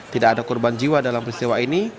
tidak ada korban jiwa dalam peristiwa ini